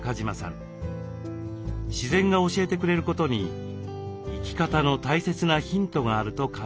自然が教えてくれることに生き方の大切なヒントがあると感じています。